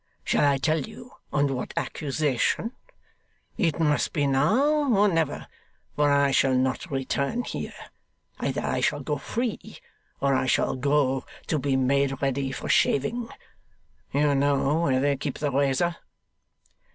Shall I tell you on what accusation? It must be now, or never, for I shall not return here. Either I shall go free, or I shall go to be made ready for shaving. You know where they keep the razor.